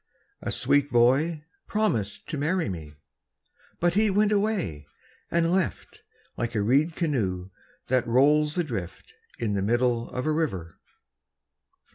A sweet boy promised to marry me, But he went away and left Like a reed canoe that rolls adrift In the middle of a river.